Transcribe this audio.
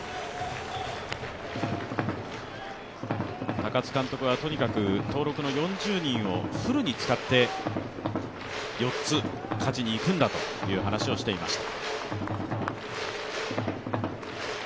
高津監督はとにかく登録の４０人をフルに使って４つ勝ちに行くんだという話をしていました。